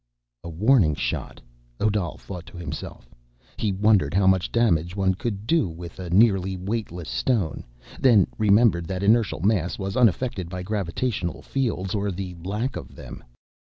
A warning shot, Odal thought to himself. He wondered how much damage one could do with a nearly weightless stone, then remembered that inertial mass was unaffected by gravitational fields, or lack of them.